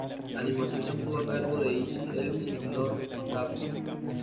La animación estuvo a cargo de Izzy Ellis y Norm McCabe.